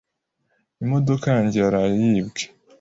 Imodoka yanjye yaraye yibwe.